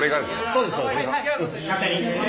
そうですそうです。